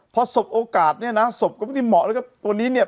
พอสบโอกาสเนี่ยนะศพก็ไม่ได้เหมาะแล้วก็ตัวนี้เนี่ย